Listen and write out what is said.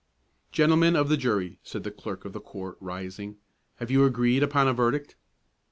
"Gentlemen of the jury," said the clerk of the court, rising, "have you agreed upon a verdict?"